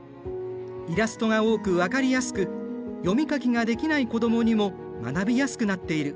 イラストが多く分かりやすく読み書きができない子どもにも学びやすくなっている。